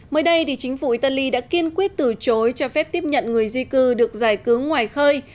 mới đây chính phủ tali đã kiên quyết từ chối cho phép tiếp nhận người di cư được giải cứu ngoài khơi